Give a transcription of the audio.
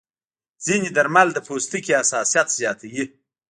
ځینې درمل د پوستکي حساسیت زیاتوي.